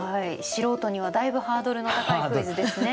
素人にはだいぶハードルの高いクイズですね。